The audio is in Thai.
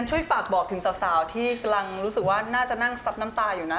ช่วยฝากบอกถึงสาวที่กำลังรู้สึกว่าน่าจะนั่งซับน้ำตาอยู่นะ